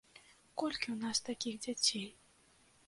Колькі ў нас такіх дзяцей?